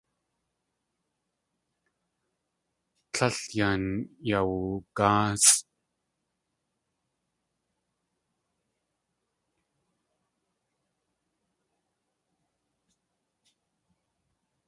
Tlél yan yawugáasʼ.